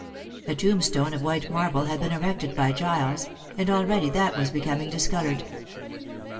A tombstone of white marble had been erected by Giles, and already that was becoming discolored.